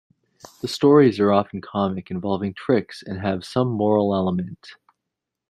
The stories are often comic, involving tricks, and have some moral element.